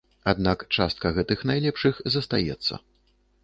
Аднак частка гэтых найлепшых застаецца.